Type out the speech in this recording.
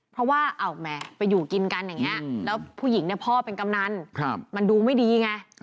เพราะว่าแหมไปอยู่กินกันอย่างนี้แล้วผู้หญิงเนี่ยพ่อเป็นกำนันมันดูไม่ดีไง